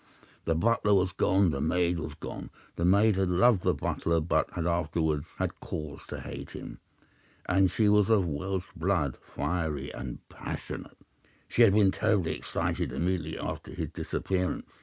The butler was gone. The maid was gone. The maid had loved the butler, but had afterwards had cause to hate him. She was of Welsh blood, fiery and passionate. She had been terribly excited immediately after his disappearance.